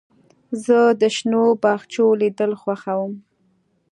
زه د شنو باغچو لیدل خوښوم.